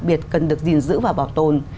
đặc biệt cần được gìn giữ và bảo tồn